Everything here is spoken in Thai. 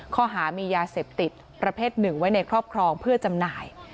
ข้อหามียาเสพติดประเภทหนึ่งไว้ในครอบครองเพื่อจำหน่าย